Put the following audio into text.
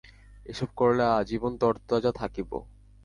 এসব করলে আজীবন তরতাজা থাকব।